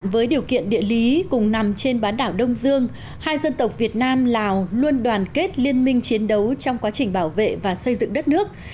với điều kiện địa lý cùng nằm trên bán đảo đông dương hai dân tộc việt nam lào luôn đoàn kết liên minh chiến đấu trong quá trình bảo vệ và xây dựng đất nước